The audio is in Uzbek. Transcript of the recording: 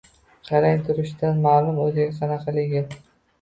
Qarang, turishidan maʼlum, oʻzi, qanaqaligi